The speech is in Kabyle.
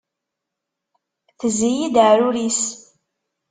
Tezzi-iyi-d aɛrur-is.